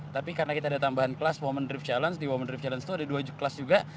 tapi karena kita ada tambahan kelas women drift challenge di women drift challenge itu ada dua kelas juga